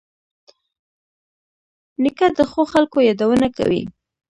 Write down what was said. نیکه د ښو خلکو یادونه کوي.